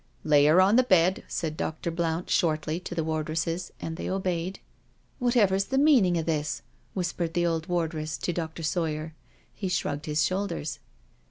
" Lay her on the bed," said Dr. Blount shortly to the wardresses; and they obeyed. " Whatever's the meaning of thisP" whispered the old wardress to Dr. Sawyer. He shrugged his shoul ders.